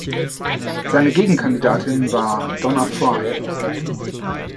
Seine Gegenkandidatin war Donna Frye.